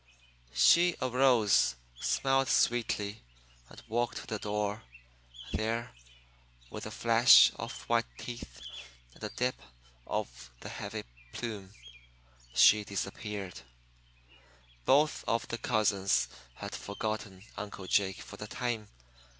She arose, smiled sweetly, and walked to the door. There, with a flash of white teeth and a dip of the heavy plume, she disappeared. Both of the cousins had forgotten Uncle Jake for the time.